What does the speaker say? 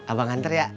abang ntar ya